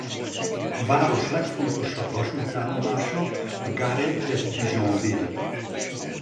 A város legfontosabb vasútállomása a Gare de Dijon-Ville.